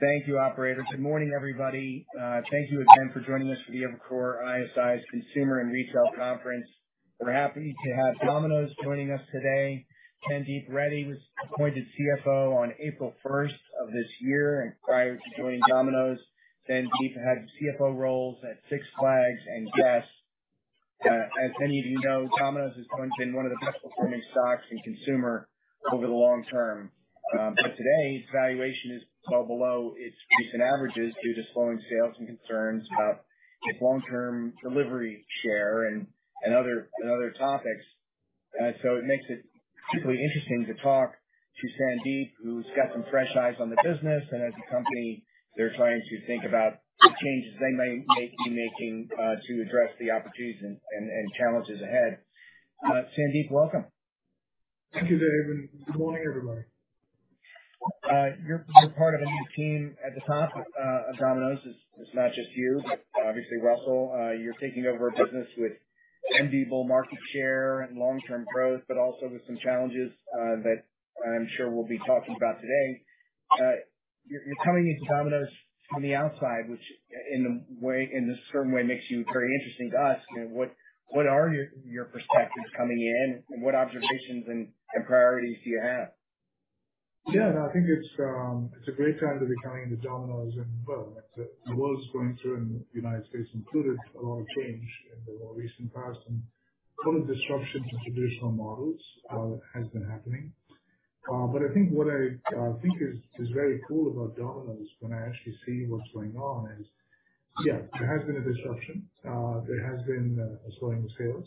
Thank you, operator. Good morning, everybody. Thank you again for joining us for the Evercore ISI's consumer and retail conference. We're happy to have Domino's joining us today. Sandeep Reddy was appointed CFO on April first of this year. Prior to joining Domino's, Sandeep had CFO roles at Six Flags and Guess. As many of you know, Domino's has once been one of the best performing stocks in consumer over the long term. But today, its valuation is well below its recent averages due to slowing sales and concerns about its long-term delivery share and other topics. So it makes it particularly interesting to talk to Sandeep, who's got some fresh eyes on the business. As a company, they're trying to think about what changes they may be making to address the opportunities and challenges ahead. Sandeep, welcome. Thank you, David, and good morning, everybody. You're part of a new team at the top of Domino's. It's not just you, but obviously Russell. You're taking over a business with enviable market share and long-term growth, but also with some challenges that I'm sure we'll be talking about today. You're coming into Domino's from the outside, which in a way, in a certain way, makes you very interesting to us. You know, what are your perspectives coming in, and what observations and priorities do you have? Yeah. No, I think it's a great time to be coming into Domino's. Well, the world's going through, and the United States included, a lot of change in the more recent past. A lot of disruption to traditional models has been happening. I think what I think is very cool about Domino's when I actually see what's going on is, yeah, there has been a disruption. There has been a slowing of sales.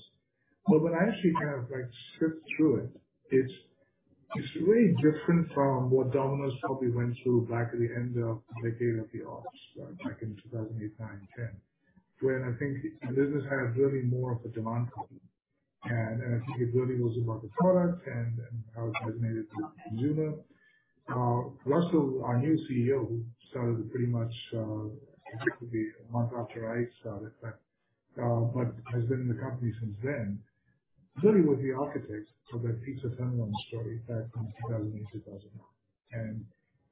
When I actually kind of, like, sift through it's really different from what Domino's probably went through back at the end of the Great Recession, back in 2008, 2009, 2010. I think the business really had more of a demand problem. I think it really was about the product and how it resonated with the consumer. Russell, our new CEO, who started pretty much particularly a month after I started, but has been in the company since then, really was the architect of that pizza phenomenon story back in 2008, 2009.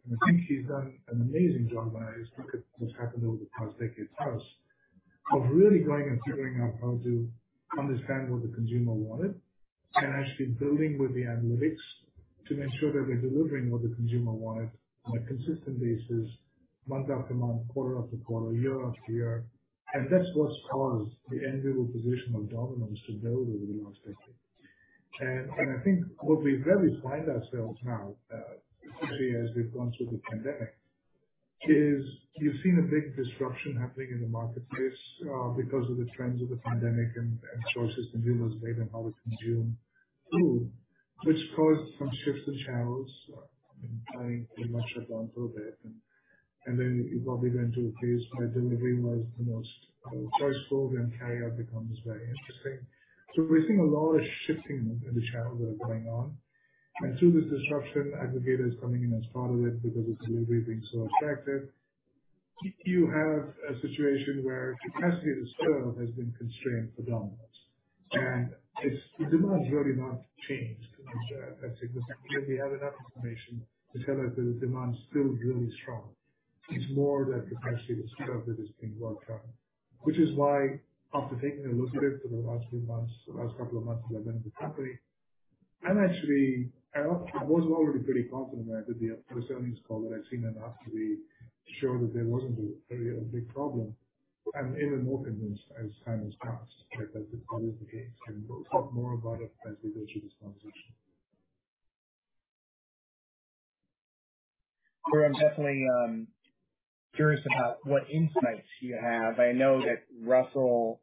I think he's done an amazing job when I just look at what's happened over the past decade plus of really going and figuring out how to understand what the consumer wanted and actually building with the analytics to make sure that we're delivering what the consumer wants on a consistent basis month after month, quarter after quarter, year after year. That's what's caused the enviable position of Domino's to build over the years since then. I think where we really find ourselves now, especially as we've gone through the pandemic, is you've seen a big disruption happening in the marketplace, because of the trends of the pandemic and choices consumers made and how they consume food, which caused some shifts in channels. I mean, I pretty much have gone through a bit, and then you probably went through a phase where delivery was the most choice program. Carryout becomes very interesting. We're seeing a lot of shifting in the channels that are going on. Through this disruption, aggregators coming in as part of it because of delivery being so attractive. You have a situation where capacity to serve has been constrained for Domino's, and it's. The demand's really not changed. I think we have enough information to tell us that the demand's still really strong. It's more that the capacity to serve that is being worked on. Which is why after taking a look at it for the last few months, the last couple of months that I've been with the company, I was already pretty confident after the earnings call that I'd seen enough to be sure that there wasn't a big problem. I'm even more convinced as time has passed that that's probably the case, and we'll talk more about it as we go through this conversation. Sure. I'm definitely curious about what insights you have. I know that Russell,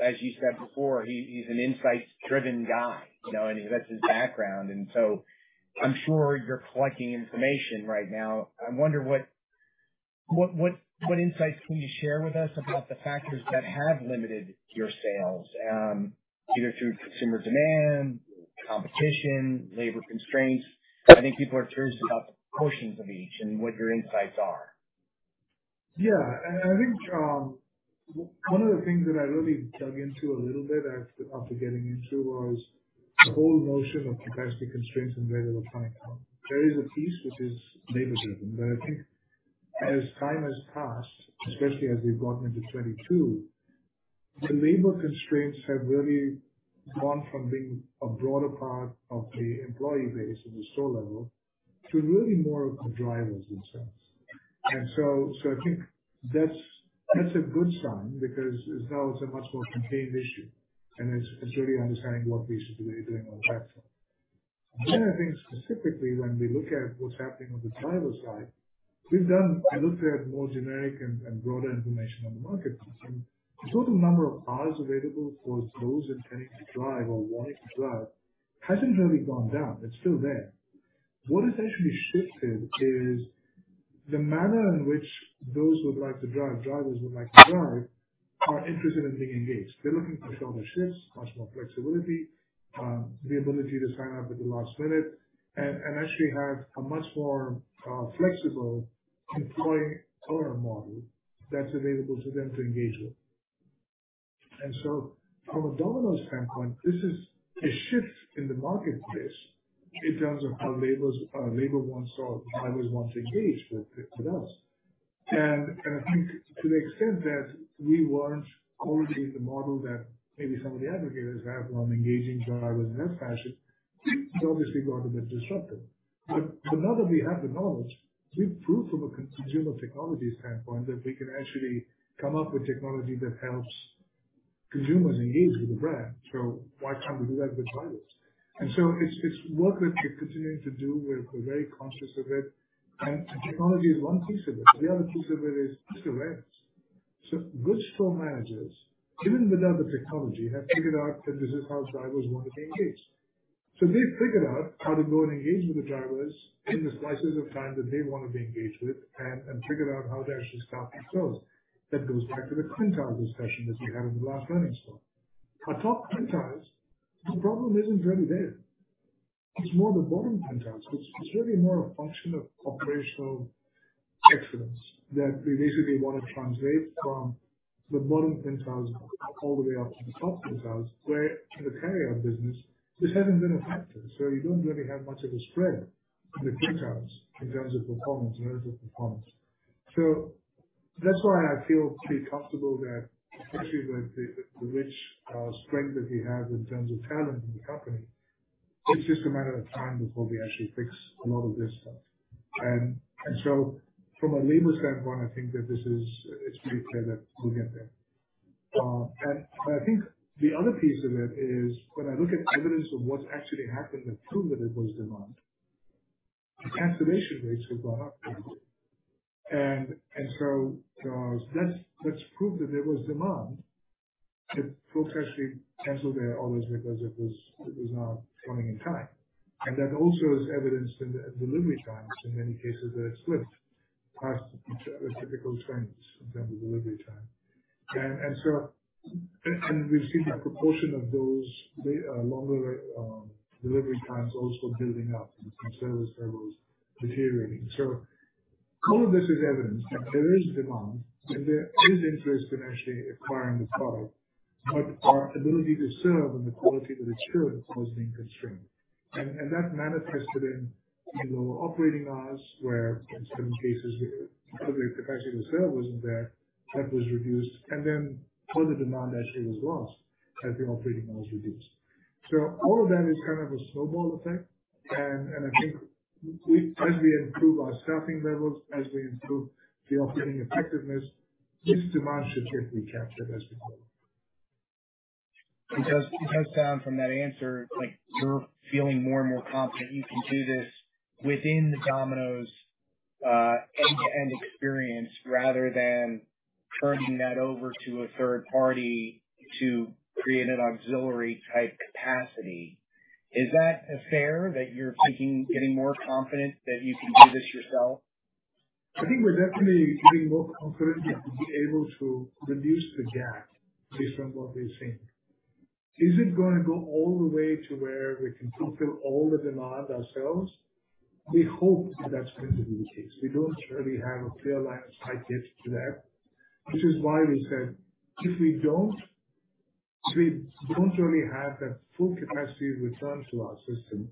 as you said before, he's an insights driven guy, you know, and that's his background. I'm sure you're collecting information right now. I wonder what insights can you share with us about the factors that have limited your sales, either through consumer demand, competition, labor constraints. I think people are curious about the portions of each and what your insights are. I think one of the things that I really dug into a little bit after getting into was the whole notion of capacity constraints and available time account. There is a piece which is labor driven, but I think as time has passed, especially as we've gotten into 2022, the labor constraints have really gone from being a broader part of the employee base at the store level to really more of the drivers themselves. I think that's a good sign because it's now a much more contained issue and it's really understanding what we should be doing on that front. I think specifically when we look at what's happening on the driver side, we've done and looked at more generic and broader information on the market. The total number of cars available for those intending to drive or wanting to drive hasn't really gone down. It's still there. What essentially shifted is the manner in which those who would like to drive, drivers who would like to drive, are interested in being engaged. They're looking for shorter shifts, much more flexibility, the ability to sign up at the last minute and actually have a much more flexible employment owner model that's available to them to engage with. From a Domino's standpoint, this is a shift in the marketplace in terms of how labor wants to engage with us. I think to the extent that we weren't quoting the model that maybe some of the aggregators have on engaging drivers in that fashion, we obviously got a bit disrupted. Now that we have the knowledge, we've proved from a consumer technology standpoint that we can actually come up with technology that helps consumers engage with the brand. Why can't we do that with drivers? It's work that we're continuing to do. We're very conscious of it. Technology is one piece of it. The other piece of it is direct. Good store managers, even without the technology, have figured out that this is how drivers want to be engaged. They've figured out how to go and engage with the drivers in the slices of time that they wanna be engaged with and figured out how to actually staff themselves. That goes back to the quintiles discussion that we had in the last earnings call. Our top quintiles, the problem isn't really there. It's more the bottom quintiles. It's really more a function of operational excellence that we basically wanna translate from the bottom quintiles all the way up to the top quintiles, where in the carryout business this hasn't been a factor. You don't really have much of a spread in the quintiles in terms of performance and areas of performance. That's why I feel pretty comfortable that especially with the rich strength that we have in terms of talent in the company, it's just a matter of time before we actually fix a lot of this stuff. From a labor standpoint, I think that this is pretty clear that we'll get there. I think the other piece of it is when I look at evidence of what actually happened and proved that there was demand, the cancellation rates have gone up. Let's prove that there was demand. A lot of folks actually canceled their orders because it was not coming in time. That also is evidenced in the delivery times in many cases that slipped past the typical trends in terms of delivery time. We've seen the proportion of those longer delivery times also building up and service levels deteriorating. All of this is evidence that there is demand and there is interest in actually acquiring the product, but our ability to serve and the quality that we serve has been constrained. That manifested in, you know, operating hours where in certain cases, public capacity to serve wasn't there. That was reduced. Then further demand actually was lost as the operating hours reduced. All of that is kind of a snowball effect. I think as we improve our staffing levels, as we improve the operating effectiveness, this demand should get recaptured as before. It does, it does sound from that answer like you're feeling more and more confident you can do this within the Domino's end-to-end experience rather than turning that over to a third party to create an auxiliary type capacity. Is that fair that you're thinking, getting more confident that you can do this yourself? I think we're definitely getting more confident that we'll be able to reduce the gap based on what we're seeing. Is it gonna go all the way to where we can fulfill all the demand ourselves? We hope that that's going to be the case. We don't really have a clear line of sight yet to that, which is why we said if we don't really have that full capacity return to our system,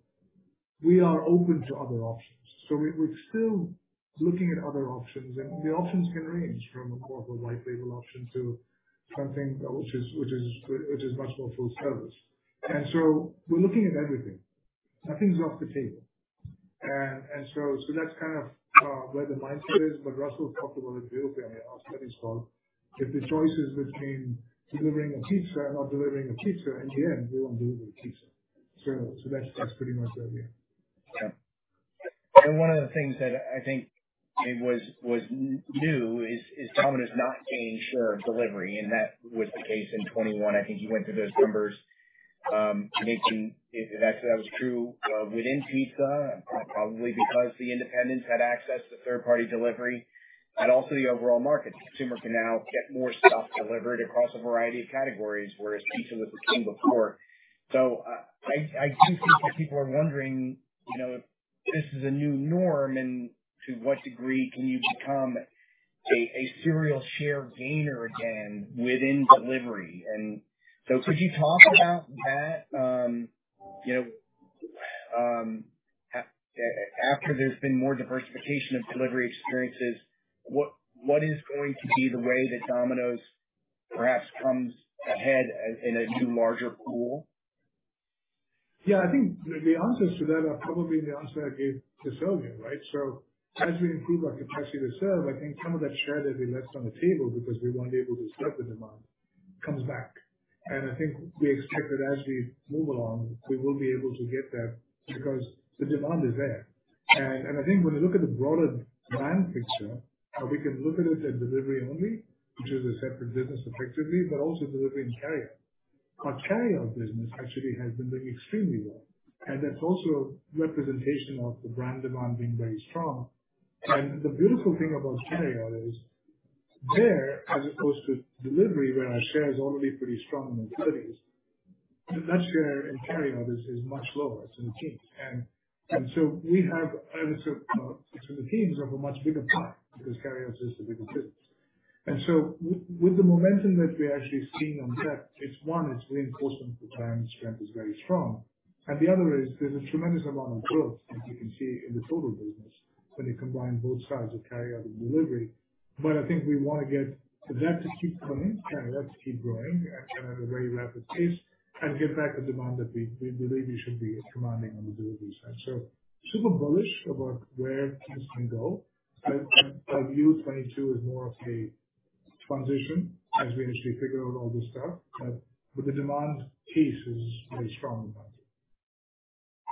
we are open to other options. We're still looking at other options, and the options can range from more of a white label option to something which is much more full service. We're looking at everything. Nothing's off the table. That's kind of where the mindset is. Russell talked about it beautifully on his call. If the choice is between delivering a pizza or not delivering a pizza, in the end, we wanna deliver the pizza. That's pretty much our view. Yeah. One of the things that I think was new is Domino's not gaining share of delivery, and that was the case in 2021. I think you went through those numbers. That was true within pizza, probably because the independents had access to third party delivery and also the overall market. The consumer can now get more stuff delivered across a variety of categories, whereas pizza was the king before. I do think that people are wondering, you know, if this is a new norm and to what degree can you become a serial share gainer again within delivery. Could you talk about that, you know, after there's been more diversification of delivery experiences, what is going to be the way that Domino's perhaps comes ahead in a larger pool? Yeah. I think the answers to that are probably the answer I gave to Sylvia, right? As we improve our capacity to serve, I think some of that share that we left on the table because we weren't able to serve the demand comes back. I think we expect that as we move along, we will be able to get that because the demand is there. I think when you look at the broader brand picture, how we can look at it as delivery only, which is a separate business effectively, but also delivery and carryout. Our carryout business actually has been doing extremely well, and that's also a representation of the brand demand being very strong. The beautiful thing about carryout is there, as opposed to delivery, where our share is already pretty strong in the cities. The net share in carryout is much lower. It's in the teens. The teens have a much bigger pie because carryout is a bigger business. With the momentum that we actually have seen on that, it's reinforcement that the brand strength is very strong. The other is there's a tremendous amount of growth, as you can see in the total business, when you combine both sides of carryout and delivery. I think we wanna get to that to keep coming, carryout to keep growing at a very rapid pace and get back the demand that we believe we should be commanding on the delivery side. Super bullish about where this can go. I view 2022 as more of a transition as we actually figure out all this stuff. But the demand piece is very strong about it.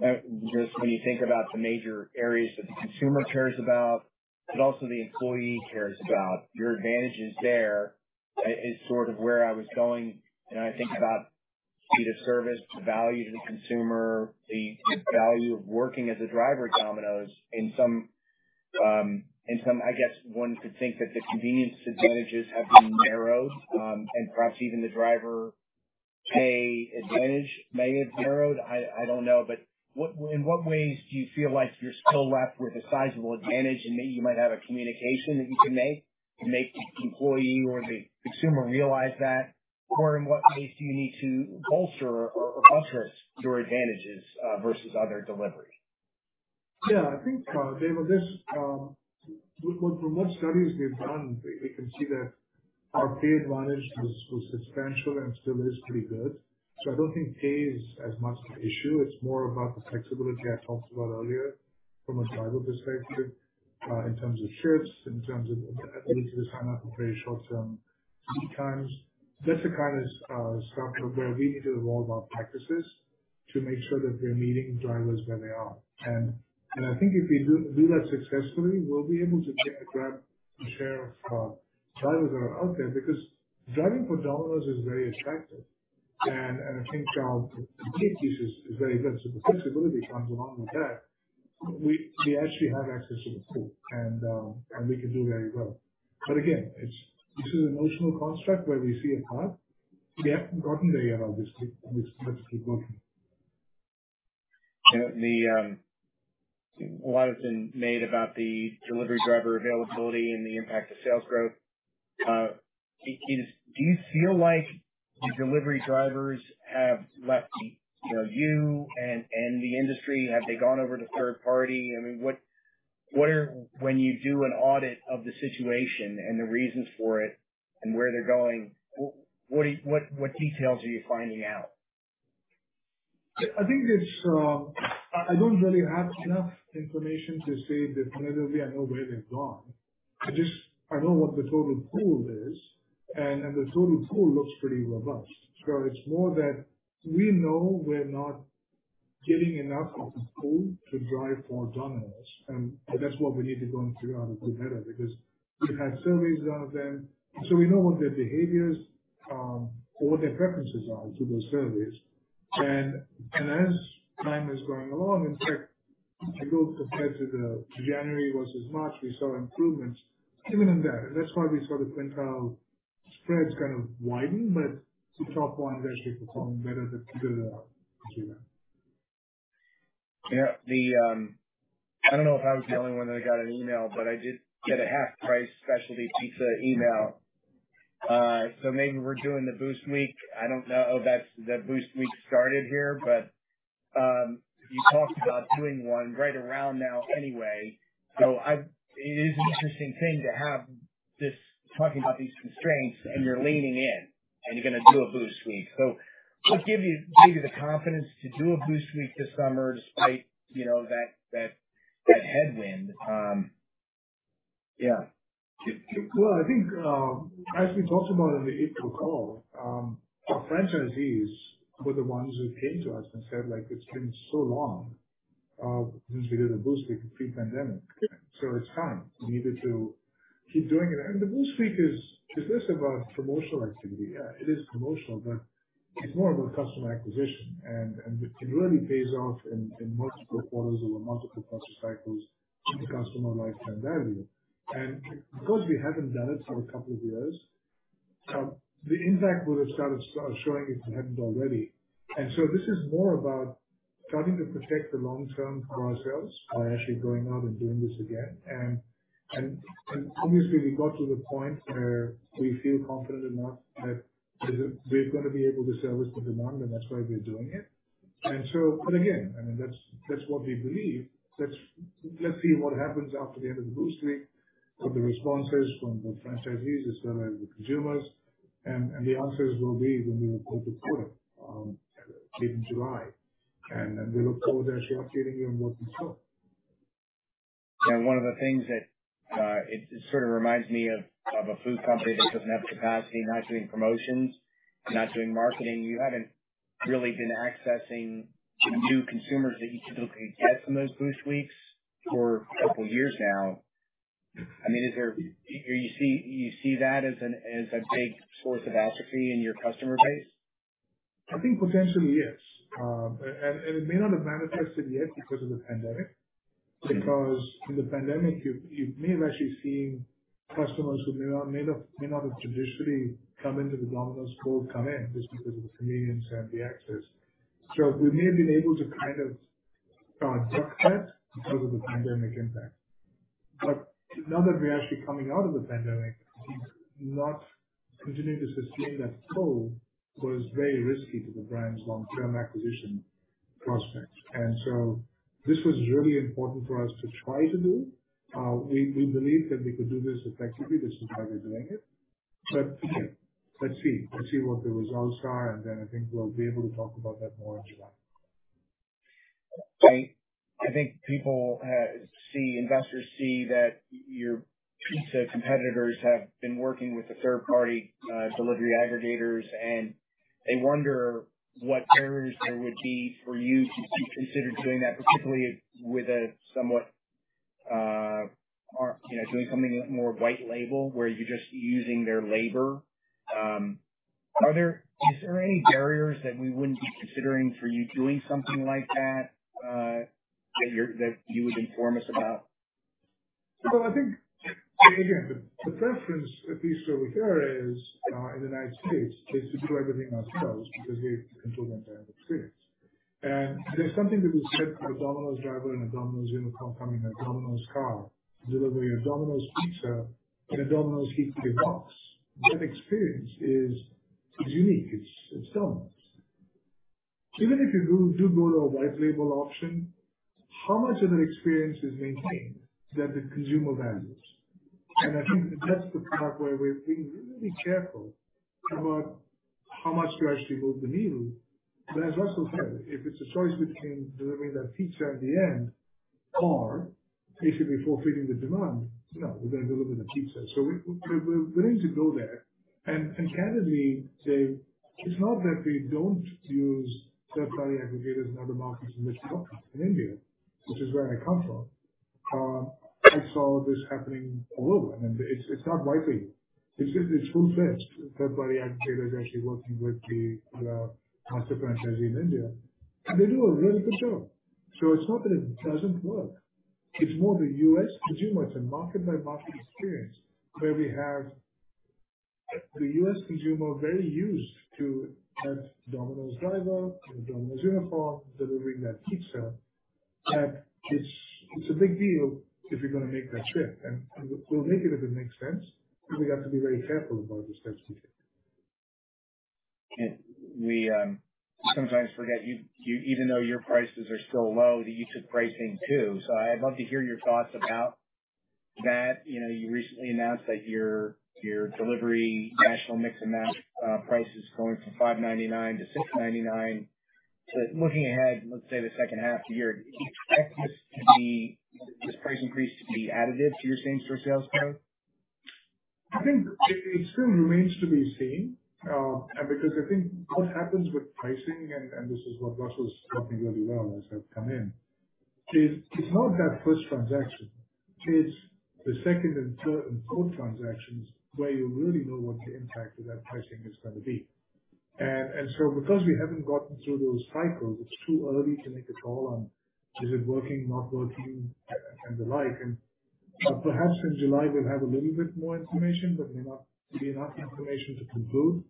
Just when you think about the major areas that the consumer cares about, but also the employee cares about, your advantages there is sort of where I was going when I think about speed of service, the value to the consumer, the value of working as a driver at Domino's in some. I guess one could think that the convenience advantages have been narrowed, and perhaps even the driver pay advantage may have narrowed. I don't know. In what ways do you feel like you're still left with a sizable advantage and maybe you might have a communication that you can make to make the employee or the consumer realize that? In what ways do you need to bolster or usher your advantages versus other delivery? Yeah, I think, David, this, with most studies we've done, we can see that our pay advantage was substantial and still is pretty good. I don't think pay is as much the issue. It's more about the flexibility I talked about earlier from a driver perspective, in terms of shifts, in terms of ability to sign up for very short-term peak times. That's the kind of stuff where we need to evolve our practices to make sure that we're meeting drivers where they are. I think if we do that successfully, we'll be able to get a greater share of drivers that are out there because driving for Domino's is very attractive. I think our pay piece is very good. The flexibility comes along with that. We actually have access to the pool and we can do very well. Again, it's. This is an emotional construct where we see a path. We haven't gotten there yet, obviously. We still have to keep working. A lot has been made about the delivery driver availability and the impact of sales growth. Do you feel like the delivery drivers have left, you know, you and the industry? Have they gone over to third party? I mean, when you do an audit of the situation and the reasons for it and where they're going, what details are you finding out? I don't really have enough information to say definitively I know where they've gone. I just know what the total pool is, and the total pool looks pretty robust. It's more that we know we're not getting enough of the pool to drive for Domino's, and that's what we need to go and figure out a bit better because we've had surveys out of them, so we know what their behaviors or what their preferences are through those surveys. As time is going along, in fact, if you compare to the January versus March, we saw improvements even in that. That's why we saw the quintile spreads kind of widen, but the top one actually performing better than the other two. Yeah. I don't know if I was the only one that got an email, but I did get a half price specialty pizza email. Maybe we're doing the Boost Week. I don't know if that's that Boost Week started here, but you talked about doing one right around now anyway. It is an interesting thing to have this talk about these constraints, and you're leaning in, and you're gonna do a Boost Week. What gives you the confidence to do a Boost Week this summer despite, you know, that headwind? Yeah. Well, I think, as we talked about in the April call, our franchisees were the ones who came to us and said, like, "It's been so long since we did a Boost Week pre-pandemic," so it's time. We needed to keep doing it. The Boost Week is less about promotional activity. Yeah, it is promotional, but it's more about customer acquisition. It really pays off in multiple quarters over multiple customer cycles in the customer lifetime value. Because we haven't done it for a couple of years, the impact would have started showing if it hadn't already. This is more about starting to protect the long term for ourselves by actually going out and doing this again. Obviously we got to the point where we feel confident enough that we're gonna be able to service the demand, and that's why we're doing it. Again, I mean, that's what we believe. Let's see what happens after the end of the Boost Week, what the response is from the franchisees, as well as the consumers. The answers will be when we report the quarter, late in July. We look forward to actually updating you on what we saw. Yeah. One of the things that it sort of reminds me of a food company that doesn't have the capacity not doing promotions, not doing marketing. You haven't really been accessing the new consumers that you typically get from those Boost Weeks for a couple years now. I mean, do you see that as a big source of atrophy in your customer base? I think potentially, yes. It may not have manifested yet because of the pandemic. Because in the pandemic, you may have actually seen customers who may not have traditionally come into the Domino's fold come in just because of the convenience and the access. We may have been able to kind of duck that because of the pandemic impact. Now that we're actually coming out of the pandemic, to not continue to sustain that flow was very risky to the brand's long-term acquisition prospects. This was really important for us to try to do. We believe that we could do this effectively. This is how we're doing it. Yeah, let's see. Let's see what the results are, and then I think we'll be able to talk about that more in July. I think investors see that your pizza competitors have been working with the third party delivery aggregators, and they wonder what barriers there would be for you to consider doing that, particularly with a somewhat, you know, doing something a lot more white label where you're just using their labor. Is there any barriers that we wouldn't be considering for you doing something like that you would inform us about? Well, I think, again, the preference, at least over here, is in the United States to do everything ourselves because we control the entire experience. There's something to be said for a Domino's driver in a Domino's uniform coming in a Domino's car to deliver you a Domino's pizza in a Domino's heat-activated box. That experience is unique. It's Domino's. Even if you do go to a white label option, how much of that experience is maintained that the consumer values? I think that's the part where we're being really careful about how much to actually move the needle. As Russell said, if it's a choice between delivering that pizza at the end or basically fulfilling the demand, you know, we're gonna deliver the pizza. We're willing to go there and candidly say it's not that we don't use third-party aggregators in other markets in which we operate. In India, which is where I come from, I saw this happening a little. It's not white label. It's just full service. Third-party aggregator is actually working with the master franchisee in India, and they do a really good job. It's not that it doesn't work. It's more the U.S. consumer. It's a market-by-market experience where we have the U.S. consumer very used to have Domino's driver in a Domino's uniform delivering that pizza. It's a big deal if you're gonna make that shift. We'll make it if it makes sense, but we have to be very careful about the steps we take. We sometimes forget you even though your prices are still low, that you took pricing too. I'd love to hear your thoughts about that. You know, you recently announced that your delivery national mix amount price is going from $5.99 to $6.99. Looking ahead, let's say the second half of the year, do you expect this price increase to be additive to your same-store sales growth? I think it still remains to be seen, and because I think what happens with pricing, and this is what Russell's taught me really well as I've come in, is it's not that first transaction. It's the second and third and fourth transactions where you really know what the impact of that pricing is gonna be. Because we haven't gotten through those cycles, it's too early to make a call on is it working, not working and the like. Perhaps in July we'll have a little bit more information, but may not be enough information to conclude.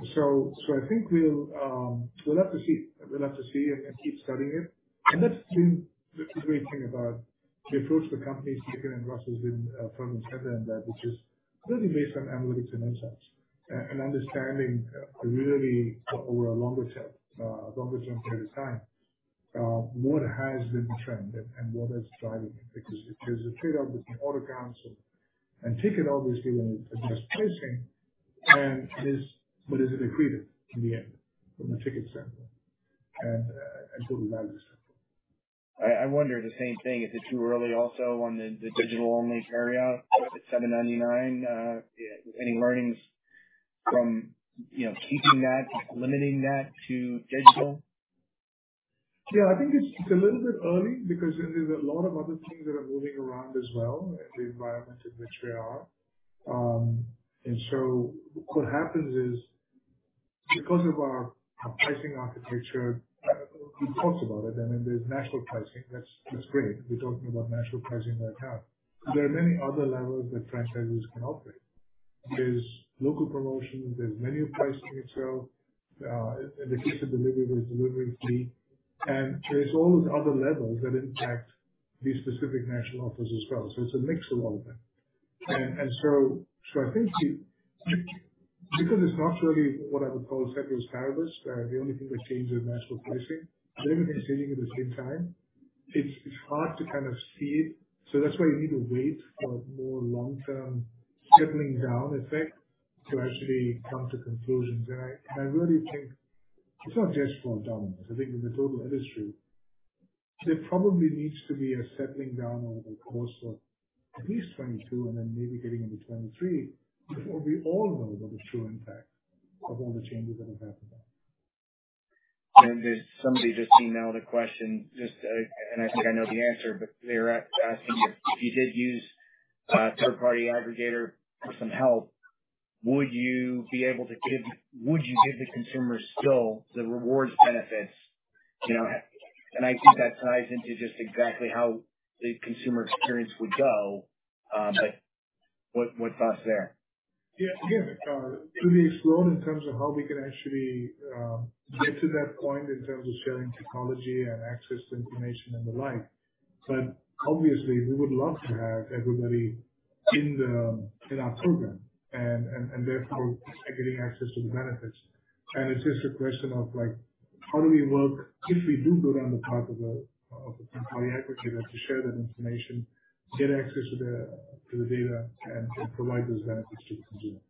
I think we'll have to see. We'll have to see and keep studying it. That's been the great thing about the approach the company's taken, and Russell's been front and center in that, which is really based on analytics and insights and understanding really over a longer term period of time what has been the trend and what is driving it. Because there's a trade-off between order counts and ticket obviously when you adjust pricing and is what is it accretive in the end from a ticket standpoint and total value standpoint. I wonder the same thing. Is it too early also on the digital-only carryout at $7.99? Any learnings from, you know, keeping that, limiting that to digital? Yeah. I think it's a little bit early because there's a lot of other things that are moving around as well in the environment in which we are. What happens is, because of our pricing architecture, we've talked about it. I mean, there's national pricing. That's great. We're talking about national pricing right now. There are many other levels that franchises can operate. There's local promotions, there's menu pricing itself, in the case of delivery, there's delivery fee, and there's all these other levels that impact these specific national offers as well. It's a mix of all of that. I think because it's not really what I would call a centrally established, the only thing that's changing is national pricing, but everything's changing at the same time, it's hard to kind of see it. That's why you need to wait for a more long-term settling down effect to actually come to conclusions. I really think it's not just for Domino's. I think in the total industry, there probably needs to be a settling down over the course of at least 2022 and then maybe getting into 2023 before we all know what the true impact of all the changes that have happened are. There's somebody just emailed a question, just, and I think I know the answer, but they're asking if you did use a third-party aggregator for some help. Would you give the consumer still the rewards benefits, you know? I think that ties into just exactly how the consumer experience would go. But what thoughts there? Yeah. Again, to be explored in terms of how we can actually get to that point in terms of sharing technology and access to information and the like. Obviously we would love to have everybody in our program and therefore getting access to the benefits. It's just a question of like, how do we work if we do go down the path of the technology aggregator to share that information, get access to the data and provide those benefits to the consumer.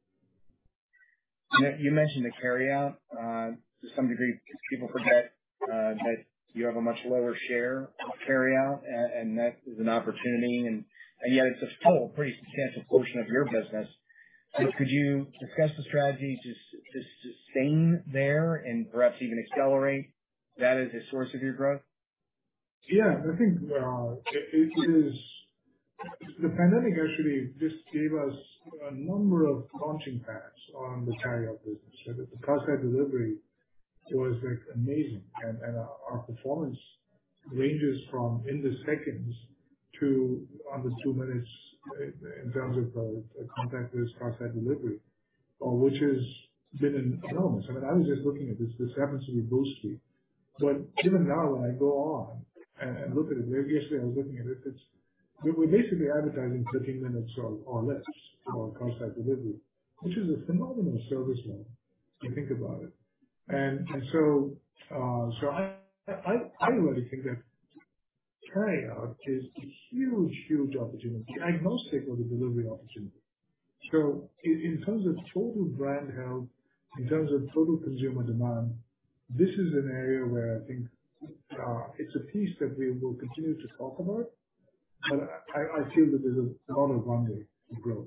You mentioned the carryout, to some degree, people forget, that you have a much lower share of carryout and that is an opportunity. Yet it's still a pretty substantial portion of your business. Could you discuss the strategy to sustain there and perhaps even accelerate that as a source of your growth? Yeah, I think it is. The pandemic actually just gave us a number of launching pads on the carryout business. The curbside delivery was, like, amazing. Our performance ranges from in the seconds to under two minutes in terms of a contactless curbside delivery, which has been enormous. I mean, I was just looking at this. This happens to be Blue Sky. Even now when I go on and look at it, yesterday I was looking at it. It's. We're basically advertising 13 minutes or less for curbside delivery, which is a phenomenal service level if you think about it. I really think that carryout is a huge opportunity. I know delivery opportunity. In terms of total brand health, in terms of total consumer demand, this is an area where I think, it's a piece that we will continue to talk about. I feel that there's a lot of runway for growth.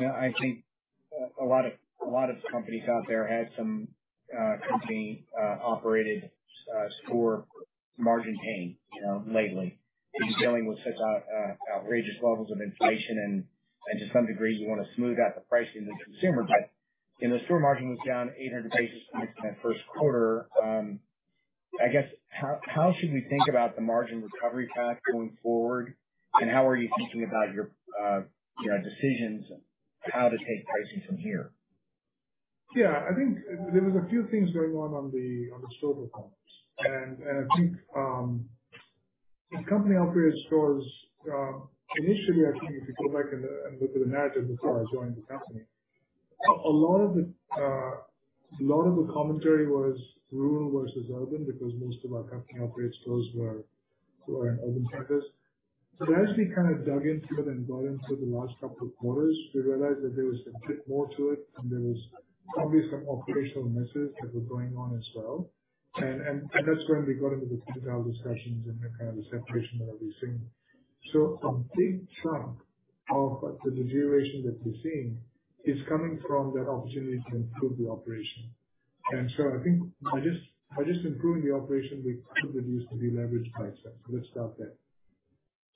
Yeah, I think a lot of companies out there had some company operated store margin pain, you know, lately. Dealing with such outrageous levels of inflation and to some degree, you wanna smooth out the pricing to consumer. You know, store margin was down 800 basis points in that first quarter. I guess, how should we think about the margin recovery path going forward? How are you thinking about your decisions, how to take pricing from here? Yeah. I think there was a few things going on in the store performance. I think with company-operated stores, initially, I think if you go back and look at the narrative before I joined the company, a lot of the commentary was rural versus urban because most of our company-operated stores were in urban centers. As we kind of dug into it and got into the last couple of quarters, we realized that there was a bit more to it and there was obviously some operational misses that were going on as well. That's when we got into the detailed discussions and the kind of separation that I've been seeing. A big chunk of the deterioration that we're seeing is coming from that opportunity to improve the operation. I think by just improving the operation, we could reduce the deleveraged price tag. Let's start there.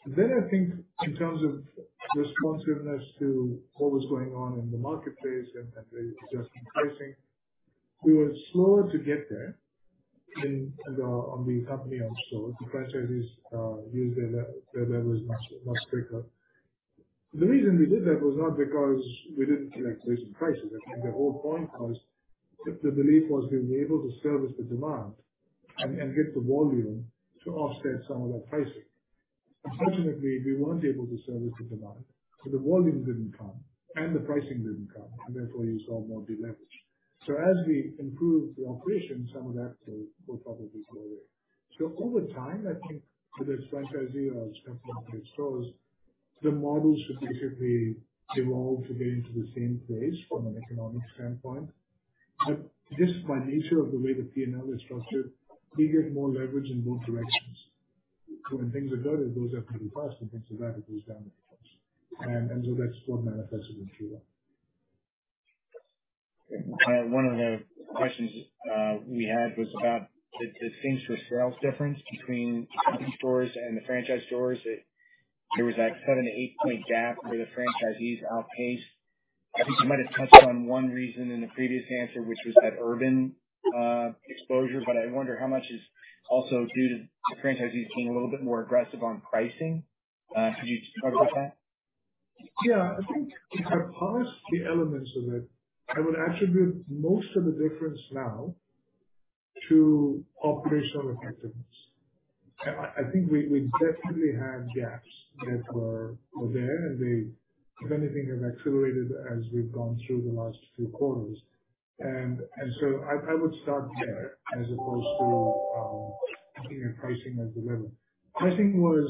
I think in terms of responsiveness to what was going on in the marketplace and readjusting pricing, we were slower to get there on the company-owned stores. The franchisees used their leverage much quicker. The reason we did that was not because we didn't like recent prices. I think the whole point was the belief was we'd be able to service the demand and get the volume to offset some of that pricing. Unfortunately, we weren't able to service the demand, so the volume didn't come and the pricing didn't come, and therefore you saw more deleverage. As we improve the operation, some of that will probably go away. Over time, I think with the franchisee or company-operated stores, the models should basically evolve to get into the same place from an economic standpoint. Just by nature of the way the P&L is structured, we get more leverage in both directions. When things are good, it goes up really fast, and things are bad, it goes down really fast. That's what manifested in Q1. One of the questions we had was about the same store sales difference between company stores and the franchise stores. There was like 7-8 point gap where the franchisees outpaced. I think you might have touched on one reason in the previous answer, which was that urban exposure. I wonder how much is also due to the franchisees being a little bit more aggressive on pricing. Could you talk about that? Yeah. I think if I parse the elements of it, I would attribute most of the difference now to operational effectiveness. I think we definitely had gaps that were there and they, if anything, have accelerated as we've gone through the last few quarters. I would start there as opposed to looking at pricing as the lever. Pricing was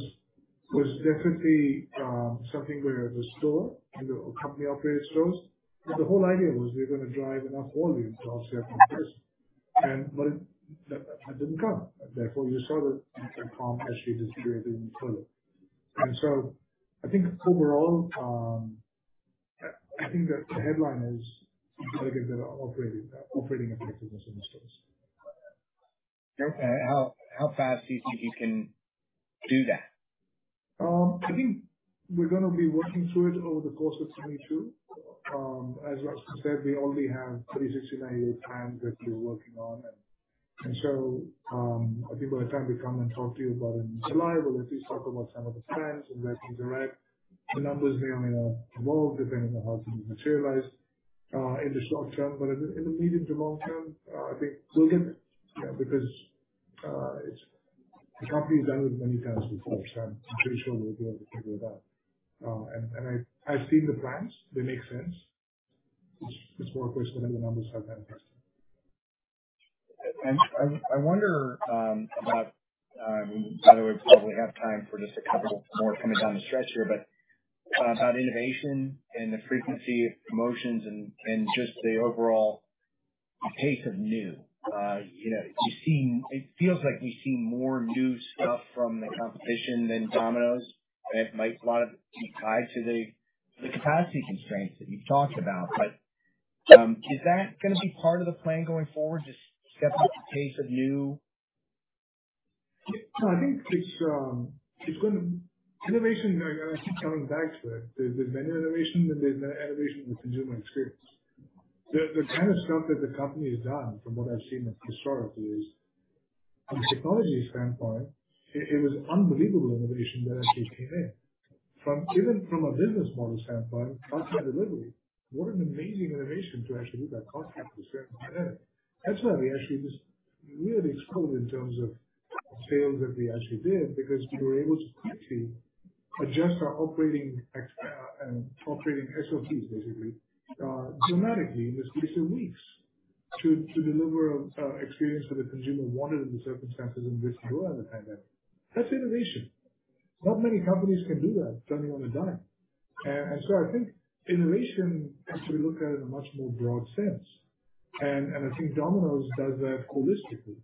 definitely something where the store and the company-operated stores, the whole idea was we're gonna drive enough volume to offset the increase. That didn't come. Therefore, you saw the comp actually deteriorating further. I think overall, I think that the headline is the operating effectiveness in this case. Okay. How fast do you think you can do that? I think we're gonna be working through it over the course of 2022. As Russell said, we already have pretty 60-90 plans that we're working on. I think by the time we come and talk to you about in July, we'll at least talk about some of the plans and where things are at. The numbers may or may not evolve depending on how things materialize in the short term. In the medium to long term, I think we'll get there. Yeah, because it's the company's done it many times before. I'm pretty sure we'll be able to figure it out. I've seen the plans. They make sense. Historically, some of the numbers have been impressive. I wonder, by the way, we probably have time for just a couple more coming down the stretch here, but about innovation and the frequency of promotions and just the overall pace of new. You know, you seem, it feels like we've seen more new stuff from the competition than Domino's, and it might a lot of it be tied to the capacity constraints that you talked about. Is that gonna be part of the plan going forward? Just step up the pace of new? No, I think it's gonna. Innovation, I keep coming back to it. There's menu innovation, and there's innovation with consumer experience. The kind of stuff that the company has done from what I've seen historically is from a technology standpoint, it was unbelievable innovation that actually came in. Even from a business model standpoint, contactless delivery, what an amazing innovation to actually do that contactlessly during the pandemic. That's why we actually just really exploded in terms of sales that we actually did, because we were able to quickly adjust our operating SOPs basically, dramatically in the space of weeks to deliver experience that the consumer wanted in the circumstances in which we were at the time. That's innovation. Not many companies can do that turning on a dime. I think innovation has to be looked at in a much more broad sense. I think Domino's does that holistically.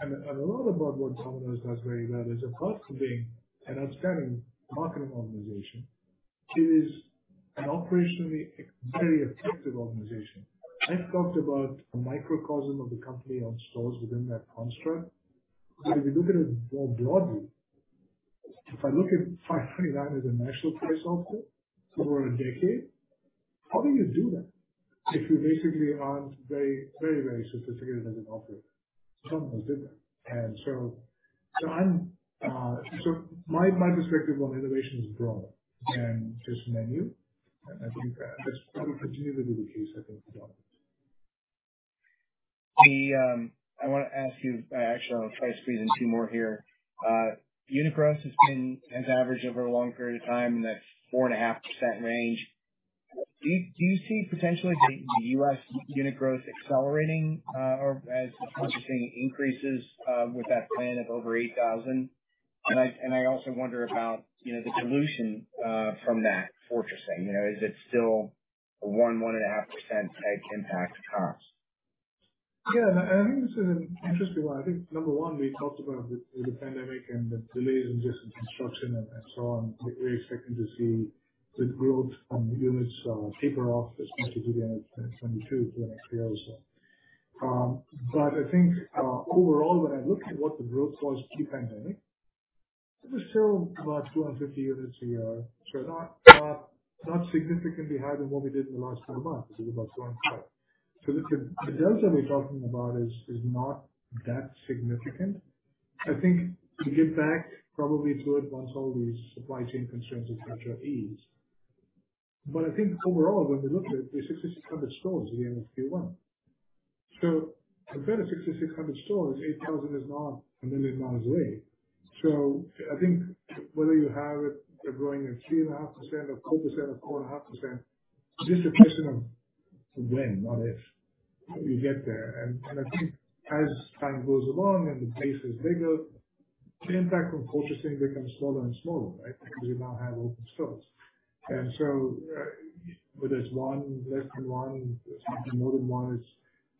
A lot about what Domino's does very well is apart from being an outstanding marketing organization, it is an operationally very effective organization. I've talked about a microcosm of the company on stores within that construct. If you look at it more broadly, if I look at $5.99 as a national price offer over a decade, how do you do that if you basically aren't very sophisticated as an operator? Domino's did that. My perspective on innovation is broader than just menu. I think that's probably continually the case, I think, for Domino's. I wanna ask you actually on a price increase and two more here. Unit growth has averaged over a long period of time in that 4.5% range. Do you see potentially the U.S. unit growth accelerating or as purchasing increases with that plan of over 8,000? I also wonder about, you know, the dilution from that fortressing. You know, is it still 1.5% negative impact to comps? Yeah. I think this is an interesting one. I think number one, we talked about the pandemic and the delays in just construction and so on. We're very expecting to see good growth on units taper off as much as the end of 2022 to the next year or so. I think overall, when I look at what the growth was pre-pandemic, it was still about 250 units a year. So not significantly higher than what we did in the last twelve months. It was about 205. So the delta we're talking about is not that significant. I think to get back probably to it once all these supply chain constraints, et cetera, ease. I think overall when we look at the 6,600 stores at the end of Q1. Compared to 6,600 stores, 8,000 is not a million miles away. I think whether you have it growing at 3.5% or 4% or 4.5%, just a question of when, not if you get there. I think as time goes along and the base is bigger, the impact from fortressing becomes smaller and smaller, right? Because you now have open stores. Whether it's one, less than one, something more than one,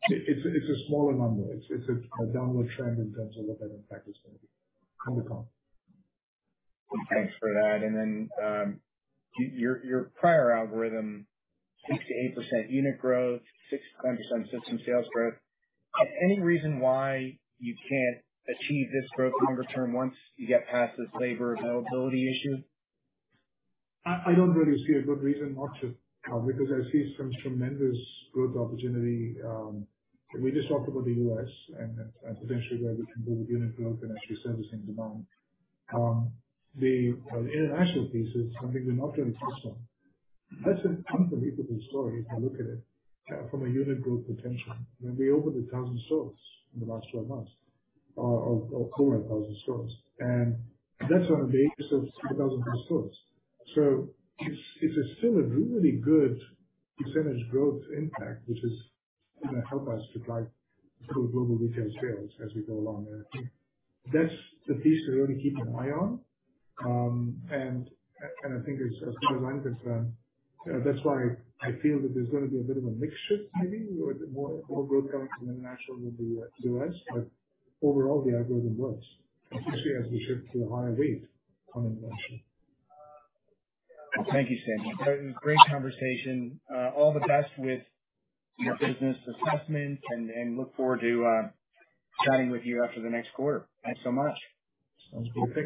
it's a smaller number. It's a downward trend in terms of what that impact is gonna be going forward. Thanks for that. Your prior algorithm, 6%-8% unit growth, 6%-10% system sales growth. Is there any reason why you can't achieve this growth longer term once you get past this labor availability issue? I don't really see a good reason not to, because I see some tremendous growth opportunity. We just talked about the U.S. and potentially where we can go with unit growth and actually servicing demand. International piece is something we've not really touched on. That's an incomparable story if you look at it, from a unit growth potential. I mean, we opened 1,000 stores in the last 12 months, or 400 stores, and that's on a base of 2,000 stores. It's still a really good percentage growth impact which is gonna help us drive global retail sales as we go along. I think that's the piece to really keep an eye on. I think there's a good line between. That's why I feel that there's gonna be a bit of a mix shift maybe, where more growth comes from international than the U.S. Overall, the algorithm works, especially as we shift to a higher base on international. Thank you, Sandeep. That was great conversation. All the best with your business assessments and look forward to chatting with you after the next quarter. Thanks so much. Sounds good.